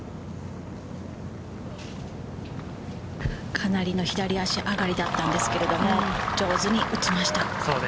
かなりの左足上がりだったんですけれど、上手に打ちました。